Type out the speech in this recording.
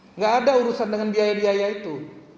nggak ada urusan dengan biaya biaya itu